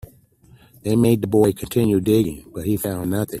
They made the boy continue digging, but he found nothing.